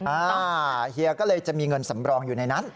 อ่าเฮียก็เลยจะมีเงินสำรองอยู่ในนั้น